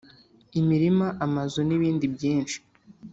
imirima, amazu nibindi byinshi